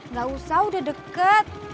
gak usah udah deket